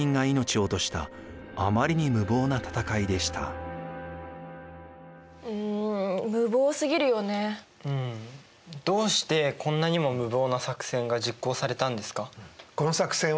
うん。どうしてこんなにも無謀な作戦が実行されたんですか？